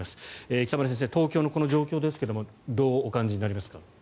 北村先生、東京のこの状況ですがどうお感じになりますか？